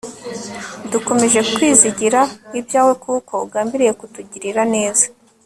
dukomeje kwizigira ibyawe kuko ugambiriye dkutugirira neza